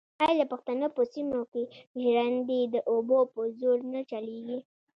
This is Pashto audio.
آیا د پښتنو په سیمو کې ژرندې د اوبو په زور نه چلېږي؟